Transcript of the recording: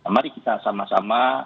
mari kita sama sama